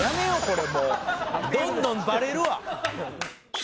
どんどんバレるわ。